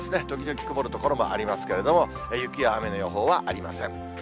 時々曇る所もありますけれども、雪や雨の予報はありません。